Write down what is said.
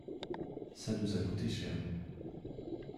Ça nous a coûté cher.